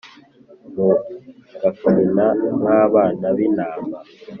Mugakina nk abana b intama